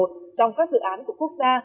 trong các dự án của quốc gia